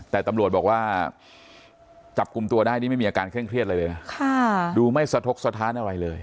แต่ตำรวจบอกว่าจับกลุ่มตัวได้นี่ไม่มีอาการเคร่งเครียดอะไรเลยนะดูไม่สะทกสถานอะไรเลย